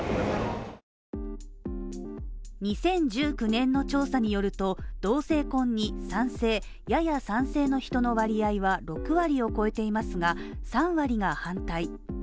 ２０１９年の調査によると同性婚の賛成、やや賛成の人の割合は６割を超えていますが、３割が反対。